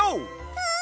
うん！